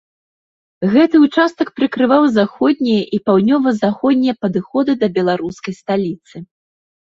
Гэты участак прыкрываў заходнія і паўднёва-заходнія падыходы да беларускай сталіцы.